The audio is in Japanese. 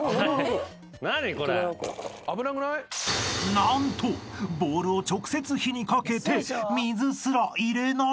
［何とボウルを直接火にかけて水すら入れない！］